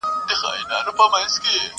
يو يې دا وو له سلگونو رواجونو؛